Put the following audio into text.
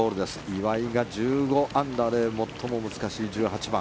岩井が１５アンダーで最も難しい１８番。